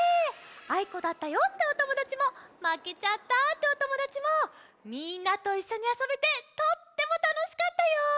あいこだったよっておともだちもまけちゃったっておともだちもみんなといっしょにあそべてとってもたのしかったよ！